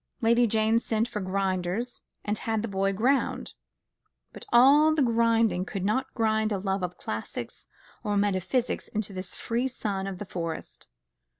Lady Jane sent for grinders and had the boy ground; but all the grinding could not grind a love of classics or metaphysics into this free son of the forest.